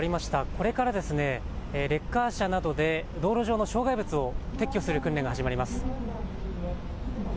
これからレッカー車などで道路上の障害物を撤去する訓練が始まります。